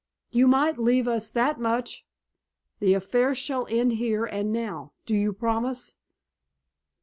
"You might leave us that much!" "The affair shall end here and now. Do you promise?"